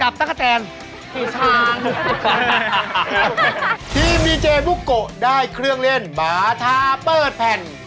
ได้เครื่องเล่นบาทาเปิดแผ่น